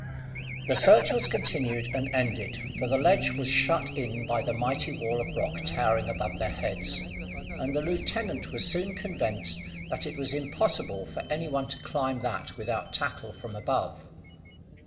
The search was continued and ended, for the ledge was shut in by the mighty wall of rock towering above their heads, and the lieutenant was soon convinced that it was impossible for any one to climb that without tackle from above.